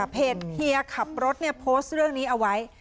เพจเฮียกขับรถเนี่ยรูปอาทิตย์เรื่องนี้เอาไว้